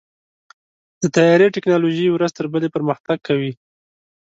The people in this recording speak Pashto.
د طیارې ټیکنالوژي ورځ تر بلې پرمختګ کوي.